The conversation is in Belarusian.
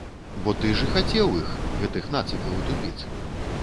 Бо ты ж і хацеў іх, гэтых ныцікаў і тупіц.